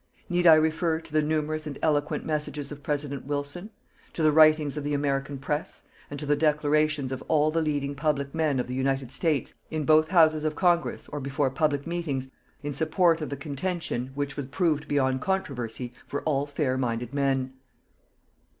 Need I refer to the numerous and eloquent messages of President Wilson, to the writings of the American press, and to the declarations of all the leading public men of the United States, in both Houses of Congress, or before public meetings, in support of the contention which was proved beyond controversy for all fair minded men.